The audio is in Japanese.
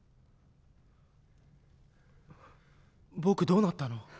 僕どうなったの？